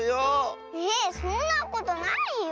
えっそんなことないよ。